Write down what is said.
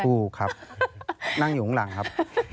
ถูกครับนั่งอยู่ข้างหลังครับ